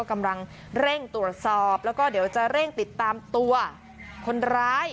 กำลังเร่งตรวจสอบแล้วก็เดี๋ยวจะเร่งติดตามตัวคนร้าย